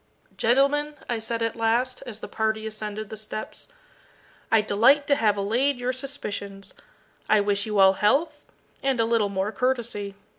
"Gentlemen," I said at last, as the party ascended the steps, "I delight to have allayed your suspicions. I wish you all health, and a little more courtesy.